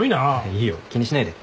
いいよ気にしないで。